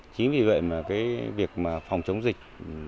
chính vì vậy việc phòng chống dịch